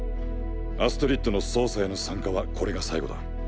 アストリッドの捜査への参加はこれが最後だ。